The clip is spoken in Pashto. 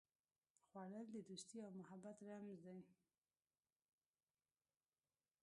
خوړل د دوستي او محبت رمز دی